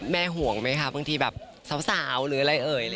ห่วงไหมคะบางทีแบบสาวหรืออะไรเอ่ย